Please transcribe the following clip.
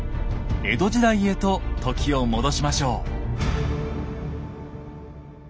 江戸時代へと時を戻しましょう。